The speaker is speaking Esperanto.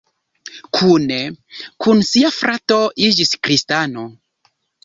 Kune kun sia frato iĝis kristano.